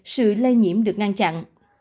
sự lây nhiễm được ngăn chặn